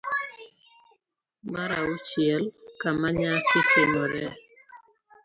mar auchiel. Kama nyasi timoree